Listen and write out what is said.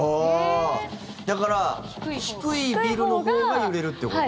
だから、低いビルのほうが揺れるってこと？